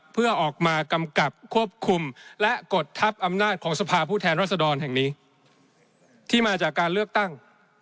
เพื่อออกมากำกับควบคุมและกดทับอำนาจของสภาผู้แทนรัศดรแห่งนี้ที่มาจากการเลือกตั้ง